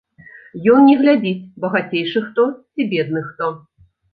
Ён не глядзіць, багацейшы хто ці бедны хто.